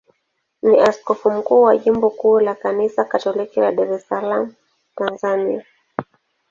ni askofu mkuu wa jimbo kuu la Kanisa Katoliki la Dar es Salaam, Tanzania.